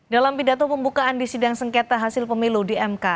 dalam pidato pembukaan di sidang sengketa hasil pemilu di mk